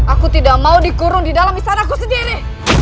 aku tidak mau dikurung di dalam istana aku sendiri